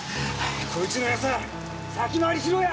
こいつのヤサ先回りしようや！